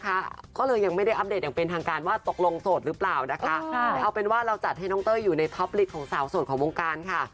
ก็เลยยังไม่ได้อัปเดตอย่างเป็นทางการว่าตกลงโสดหรือเปล่านะคะแต่เอาเป็นว่าเราจัดให้น้องเต้ยอยู่ในท็อปลิกของสาวโสดของวงการค่ะ